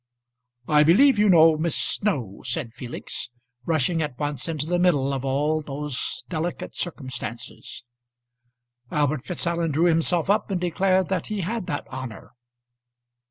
"I believe you know Miss Snow," said Felix, rushing at once into the middle of all those delicate circumstances. Albert Fitzallen drew himself up, and declared that he had that honour.